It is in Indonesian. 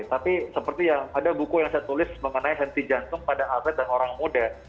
tapi seperti yang ada buku yang saya tulis mengenai henti jantung pada atlet dan orang muda